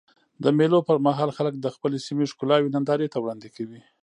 د مېلو پر مهال خلک د خپلي سیمي ښکلاوي نندارې ته وړاندي کوي.